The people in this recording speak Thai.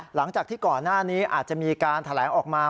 หลังจากที่ก่อนหน้านี้อาจจะมีการแถลงออกมา